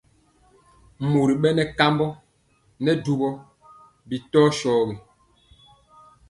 Mori bɛnɛ kambɔ ŋɛɛ dubɔ bi tɔ shogi.